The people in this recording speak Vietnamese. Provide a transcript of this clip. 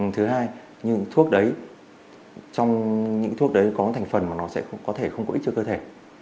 thứ hai những thuốc đấy trong những thuốc đấy có thành phần mà nó sẽ có thể không có ích cho cơ thể